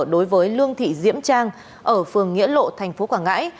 đối với lương thị diễm trang ở phường nghĩa lộ tp quảng ngãi